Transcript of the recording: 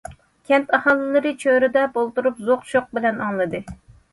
كەنت ئاھالىلىرى چۆرىدەپ ئولتۇرۇپ، زوق- شوق بىلەن ئاڭلىدى.